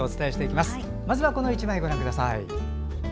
まずは、この１枚をご覧ください。